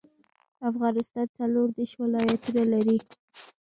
افغانستان څلوردیش ولایتونه لري.